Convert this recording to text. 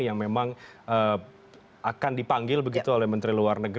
yang memang akan dipanggil begitu oleh menteri luar negeri